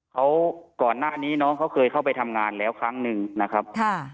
เขาก่อนหน้านี้น้องเขาเคยเข้าไปทำงานแล้วครั้งหนึ่งนะครับค่ะ